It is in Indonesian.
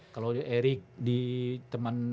kalau erik di teman